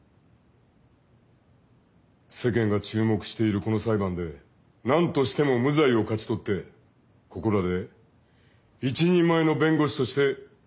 世間が注目しているこの裁判でなんとしても無罪を勝ち取ってここらで一人前の弁護士として名を上げてもらいたい。